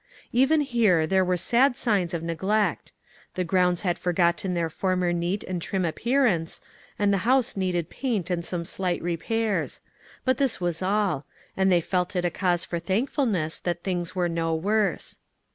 Even here there were sad signs of neglect: the grounds had forgotten their former neat and trim appearance, and the house needed paint and some slight repairs. But this was all; and they felt it a cause for thankfulness that things were no worse.